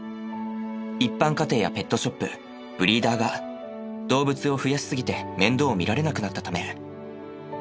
一般家庭やペットショップブリーダーが動物を増やし過ぎて面倒を見られなくなったため。